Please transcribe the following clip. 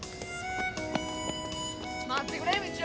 待ってくれ道雄！